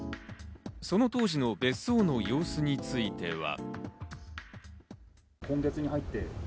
その当時の別荘の様子については。